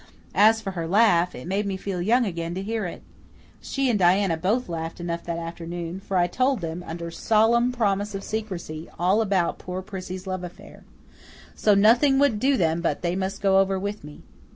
As for her laugh, it made me feel young again to hear it. She and Diana both laughed enough that afternoon, for I told them, under solemn promise of secrecy, all about poor Prissy's love affair. So nothing would do them but they must go over with me.